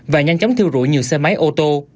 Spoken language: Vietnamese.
và nhanh chóng thiêu rụi nhiều xe máy ô tô